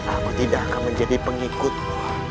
aku tidak akan menjadi pengikutku